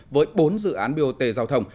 với bốn dự án bot giao thông